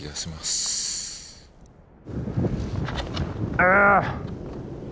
ああ！